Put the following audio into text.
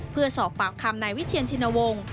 เพื่อสอบปากคำนายวิเชียนชินวงศ์